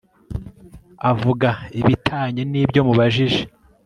avuga ibitanye nibyo mubajije